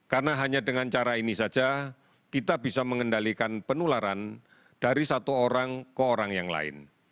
karena hanya dengan cara ini saja kita bisa mengendalikan penularan dari satu orang ke orang yang lain